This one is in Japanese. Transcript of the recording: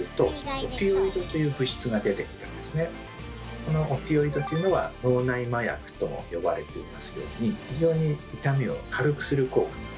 このオピオイドというのは脳内麻薬とも呼ばれていますように非常に痛みを軽くする効果があるんですね。